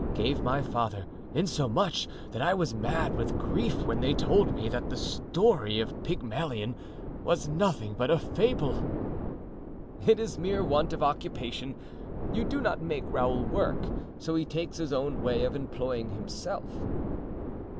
gave my father, insomuch that I was mad with grief when they told me that the story of Pygmalion was nothing but a fable." "It is mere want of occupation. You do not make Raoul work, so he takes his own way of employing himself."